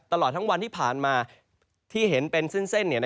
ตลอดทั้งวันที่ผ่านมาที่เห็นเป็นเส้น